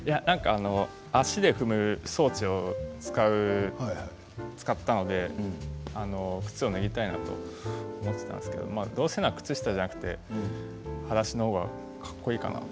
足で踏む装置を使ったので靴を脱ぎたいなと思っていたんですけどどうせなら靴下じゃなくてはだしの方がかっこいいかなと。